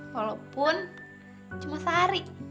walaupun cuma sehari